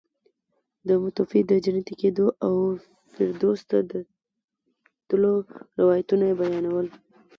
د متوفي د جنتي کېدو او فردوس ته د تلو روایتونه یې بیانول.